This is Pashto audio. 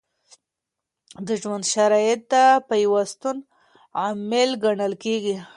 د ژوند شرایط د پیوستون عامل ګڼل کیږي.